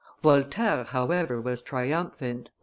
Voltaire, however, was triumphant.